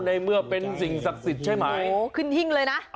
ในเมื่อเป็นสิ่งศักดิ์สิทธิ์ใช่มั้ยขึ้นหรือหรือ